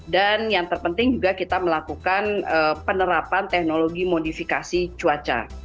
dan yang terpenting juga kita melakukan penerapan teknologi modifikasi cuaca